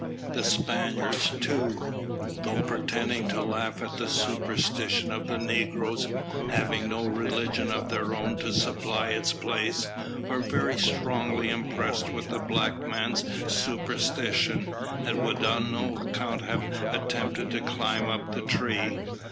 The Spaniards too, though pretending to laugh at the superstition of the negroes, having no real religion of their own to supply its place, were very strongly impressed with the black man's superstition, and would on no account have attempted to climb up the tree.